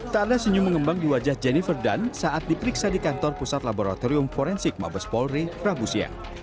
tak ada senyum mengembang di wajah jennifer dunn saat diperiksa di kantor pusat laboratorium forensik mabes polri rabu siang